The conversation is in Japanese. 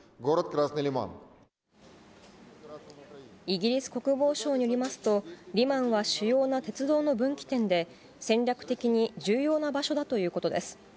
イギリス国防省によりますと、リマンは主要な鉄道の分岐点で、戦略的に重要な場所だということです。